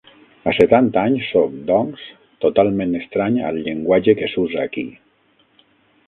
A setanta anys sóc, doncs, totalment estrany al llenguatge que s'usa aquí.